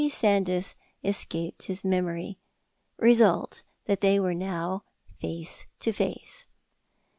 Sandys escaped his memory. Result, that they were now face to face.